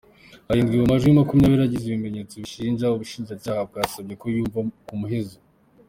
Arindwi mu majwi makumyabiri agize ibimenyetso bishinja, ubushinjacyaha bwasabye ko yumvwa mu muhezo.